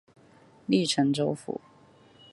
隶辰州府。